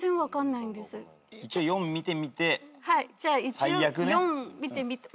一応４見てみて。